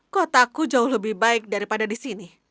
kotaku jauh lebih baik daripada di sini